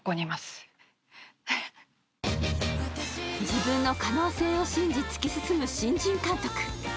自分の可能性を信じ突き進む新人監督。